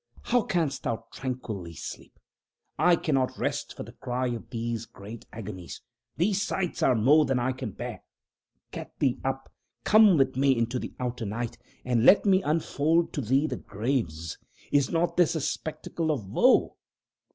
How canst thou tranquilly sleep? I cannot rest for the cry of these great agonies. These sights are more than I can bear. Get thee up! Come with me into the outer Night, and let me unfold to thee the graves. Is not this a spectacle of woe?